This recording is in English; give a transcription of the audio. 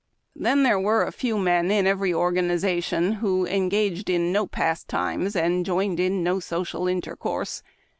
Then there were a few men in every organization who engaged in no pastimes and joined in no social intercourse.